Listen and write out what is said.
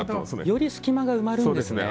より隙間が埋まるんですね。